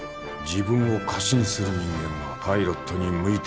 自分を過信する人間はパイロットに向いてない。